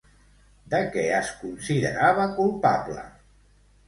De què es considerava culpable?